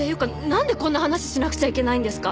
んでこんな話しなくちゃいけないんですか？